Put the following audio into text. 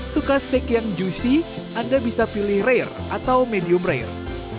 suka steak yang juicy anda bisa pilih rare atau medium rail